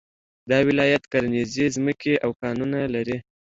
دا ولایت کرنيزې ځمکې او کانونه لري